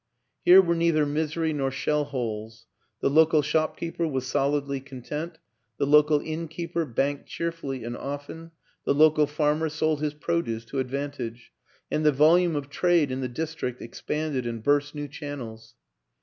Here were neither misery nor shell holes; the local shopkeeper was solidly content, the local innkeeper banked cheer fully and often, the local farmer sold his produce to advantage and the volume of trade in the dis trict expanded and burst new channels.